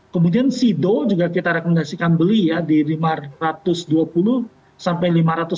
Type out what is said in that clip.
kemudian sido juga kita rekomendasikan beli ya di lima ratus dua puluh sampai lima ratus